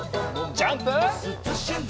ジャンプ！